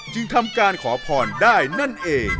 จึงทำการขอพรได้นั่นเอง